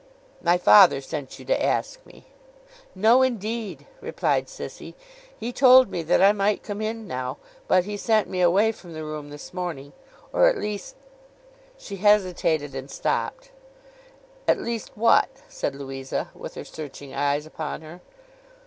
'My father sent you to ask me.' 'No indeed,' replied Sissy. 'He told me that I might come in now, but he sent me away from the room this morning—or at least—' She hesitated and stopped. 'At least, what?' said Louisa, with her searching eyes upon her.